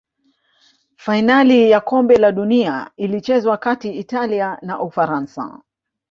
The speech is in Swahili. fainali ya kombe la dunia ilichezwa kati italia na ufaransa